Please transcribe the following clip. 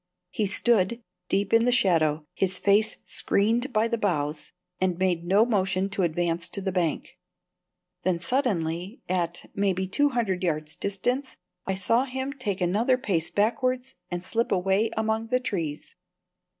He stood, deep in the shadow, his face screened by the boughs, and made no motion to advance to the bank. Then suddenly at, maybe, two hundred yards' distance I saw him take another pace backwards and slip away among the trees.